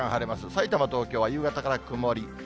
さいたま、東京は夕方から曇り。